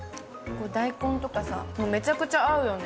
大根とかめちゃくちゃ合うよね。